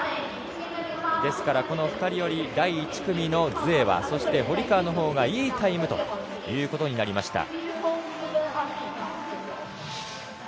ですから２人より第１組のズエワそして堀川の方がいいタイムということになりました。